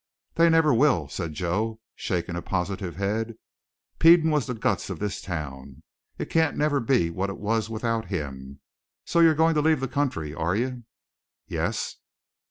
"They never will," said Joe, shaking a positive head. "Peden was the guts of this town; it can't never be what it was without him. So you're goin' to leave the country, air you?" "Yes."